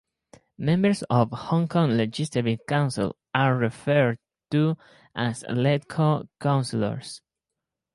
Members of Hong Kong Legislative Council are referred to as Legco Councillors.